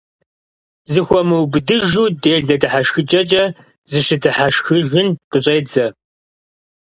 Зыхуэмыубыдыжу делэ дыхьэшхыкӀэкӀэ зыщыдыхьэшхыжын къыщӀедзэ.